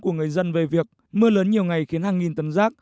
của người dân về việc mưa lớn nhiều ngày khiến hàng nghìn tấn rác